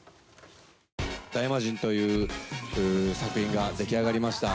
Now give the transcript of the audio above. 「ダイマジン」という作品が出来上がりました。